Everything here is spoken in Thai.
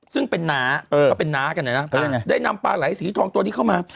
ซึ่งเป็นน้าเขาเป็นน้ากันนะได้นำปลาไหลสีทองตัวนี้เข้ามา